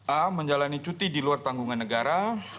a menjalani cuti di luar tanggungan negara